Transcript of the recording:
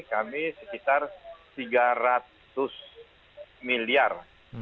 kami sekitar tiga ratus miliar